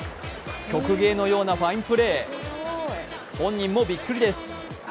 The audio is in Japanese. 曲芸のようなファインプレー本人もびっくりです。